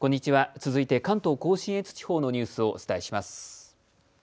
続いて関東甲信越地方のニュースをお伝えします。